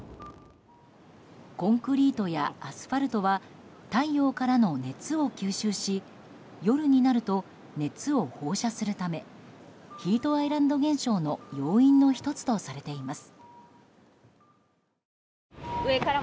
コンクリートやアスファルトは太陽からの熱を吸収し夜になると熱を放射するためヒートアイランド現象の要因の１つとされています。